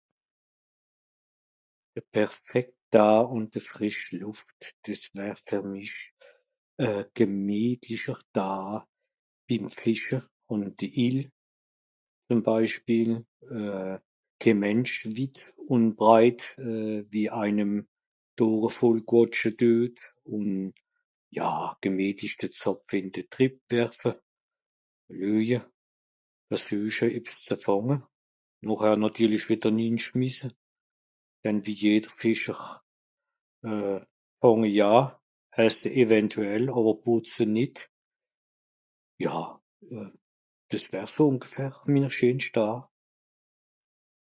De perfekt Daa àn de frìsch Lùft, dìss wär fer mich e gemietlicher Daa bim Fìsche àn de Ill, zuem Beispiel euh ke Mensch witt ùn breit euh wie einem d'Ohre voll quàtsche tuet, un ja, gemietlich de Zàpfe in de Trìb wärfe, lüeje, versueche, ebs ze fànge, nochhär nàtierlich wìdder ninschmisse, denn wie jeder Fìscher euh fànge ja, esse ewentuell àwer pùtze nìtt. Ja, dìss wär so ùngfähr minner scheenscht Daa.